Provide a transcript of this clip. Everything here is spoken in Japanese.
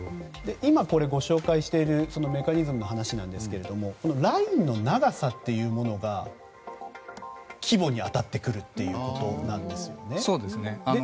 今ご紹介しているメカニズムの話なんですがラインの長さというものが規模に当たってくるということなんですね。